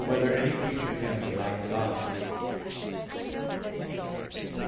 3] Whether Any Creature Can Be Like God?